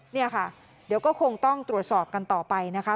เนี่ยค่ะเดี๋ยวก็คงต้องตรวจสอบกันต่อไปนะคะ